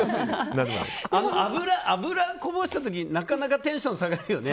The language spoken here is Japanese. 油こぼした時なかなかテンション下がるよね。